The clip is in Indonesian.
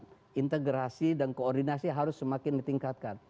dan integrasi dan koordinasi harus semakin ditingkatkan